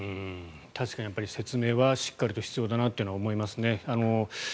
確かに説明はしっかりと必要だなと思いますね。